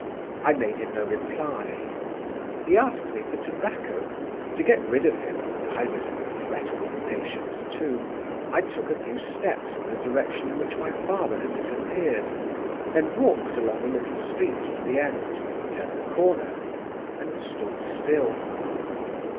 I made him no reply. He asked me for tobacco. To get rid of him (I was in a fret of impatience, too), I took a few steps in the direction in which my father had disappeared, then walked along the little street to the end, turned the corner, and stood still.